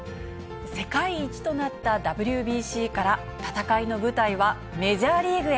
世界一となったＷＢＣから戦いの舞台はメジャーリーグへ。